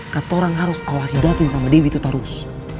katorang harus awasi daffin sama dewi itu terus